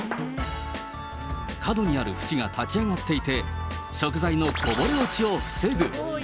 角にあるふちが立ち上がっていて、食材のこぼれ落ちを防ぐ。